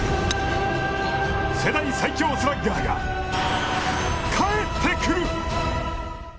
世代最強スラッガーが帰ってくる！